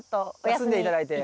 休んで頂いて。